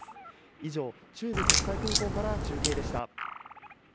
以上中部国際空港から中継でした。